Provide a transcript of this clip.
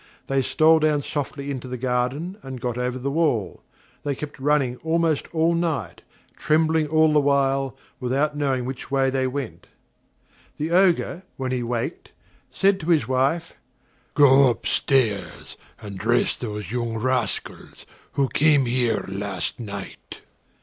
They stole down softly into the garden, and got over the wall. They kept running almost all night, trembling all the while, without knowing which way they went. The Ogre, when he waked, said to his wife: "Go up stairs and dress those young rascals who came here last night."